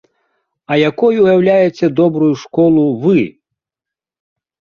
А якой уяўляеце добрую школу вы?